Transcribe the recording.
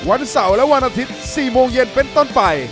วันเสาร์และวันอาทิตย์๔โมงเย็นเป็นต้นไป